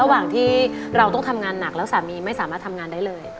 ระหว่างที่เราต้องทำงานหนักแล้วสามีไม่สามารถทำงานได้เลย